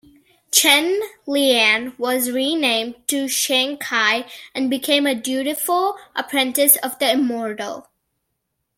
Chen Lian was renamed to Shancai and became a dutiful apprentice of the immortal.